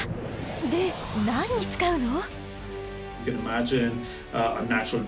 で何に使うの？